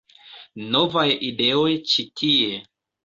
- Novaj ideoj ĉi tie